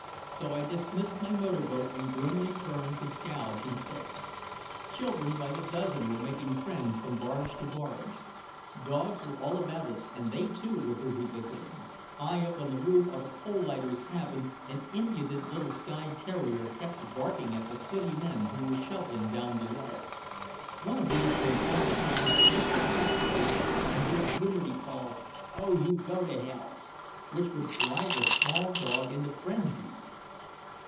So I dismissed my motorboat and grimly turned to scows instead. Children by the dozen were making friends from barge to barge. Dogs were all about us and they too were busy visiting. High up on the roof of a coal lighter's cabin an impudent little skye terrier kept barking at the sooty men who were shoveling down below. One of these from time to time would lift his black face and good humoredly call, "Oh, you go to hell" which would drive the small dog into frenzies.